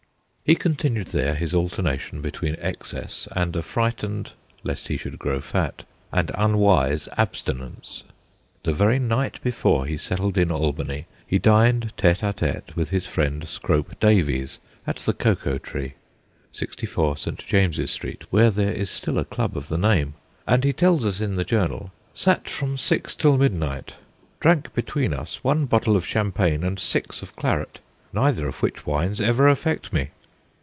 He continued there his alternation be tween excess and a frightened lest he should grow fat and unwise abstinence. The very night before he settled in Albany, he dined tete a tte with his friend, Scrope Da vies, at the Cocoa Tree 64 St. James's Street, where there is still a club of the name and, he tells us in the journal, ' sat from six till midnight drank between us one bottle of champagne and six of claret, neither of which wines ever affect me.'